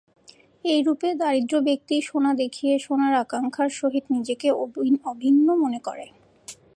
এইরূপে দরিদ্র ব্যক্তি সোনা দেখিয়া সোনার আকাঙ্ক্ষার সহিত নিজেকে অভিন্ন মনে করে।